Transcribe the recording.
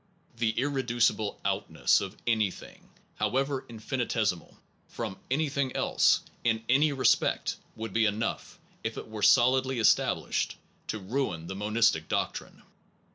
The irreducible outness of am/thing, however infinitesimal, from am/thing else, in any respect, would be enough, if it were solidly established, to ruin the monistic doctrine.